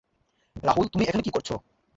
রাহুল তুমি এখানে কি করছ?